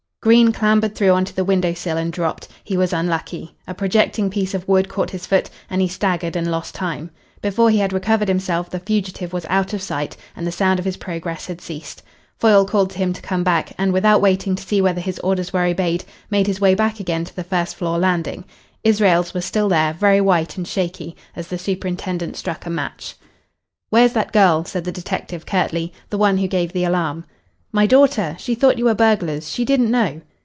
Green clambered through on to the window sill and dropped. He was unlucky. A projecting piece of wood caught his foot, and he staggered and lost time. Before he had recovered himself the fugitive was out of sight, and the sound of his progress had ceased. Foyle called to him to come back and, without waiting to see whether his orders were obeyed, made his way back again to the first floor landing. Israels was still there, very white and shaky, as the superintendent struck a match. "Where's that girl?" said the detective curtly. "The one who gave the alarm." "My daughter? She thought you were burglars. She didn't know."